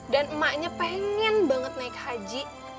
emaknya pengen banget naik haji